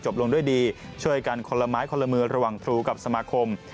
ลงด้วยดีช่วยกันคนละไม้คนละมือระหว่างครูกับสมาคม